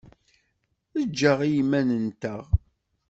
Ejj-aɣ i yiman-nteɣ.